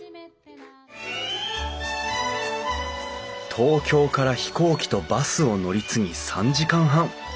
東京から飛行機とバスを乗り継ぎ３時間半。